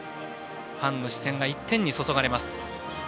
ファンの視線が一点に注がれます。